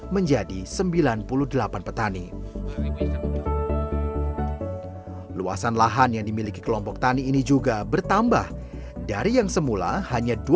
menjadi sembilan puluh delapan petani luasan lahan yang dimiliki kelompok tani ini juga bertambah dari yang semula hanya